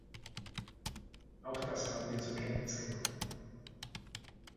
Auch das haben wir zur Kenntnis genommen.